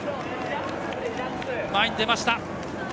前に出ました。